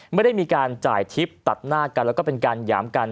ไม่ได้มีการจ่ายทริปตัดหน้ากันแล้วก็เป็นการหยามกัน